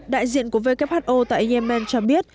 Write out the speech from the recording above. đại diện của who tại yemen cho biết